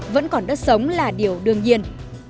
vẫn còn đất sống là điều đương nhiên